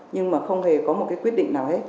nhưng mà không hề có một cái quyết định nào hết